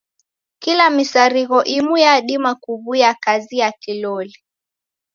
Kila misarigho imu yadima kuw'uya kazi ya kilolia.